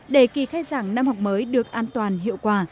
để kỳ khai giảng năm học mới được an toàn hiệu quả